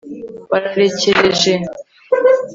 bararekereje